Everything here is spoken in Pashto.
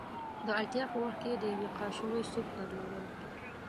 د اړتیا په وخت کې د یوې کاشوغې سوپ درلودل.